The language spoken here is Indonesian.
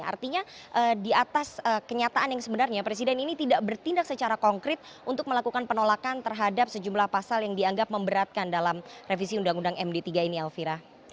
artinya di atas kenyataan yang sebenarnya presiden ini tidak bertindak secara konkret untuk melakukan penolakan terhadap sejumlah pasal yang dianggap memberatkan dalam revisi undang undang md tiga ini elvira